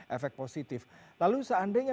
efek positif lalu seandainya